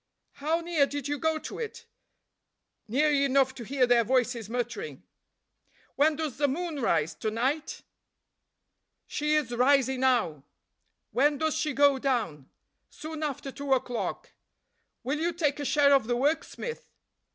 "How near did you go to it?" "Near enough to hear their voices muttering." "When does the moon rise, to night?" "She is rising now." "When does she go down?" "Soon after two o'clock." "Will you take a share of the work, Smith?"